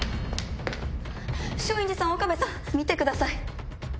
松陰寺さん岡部さん見てください。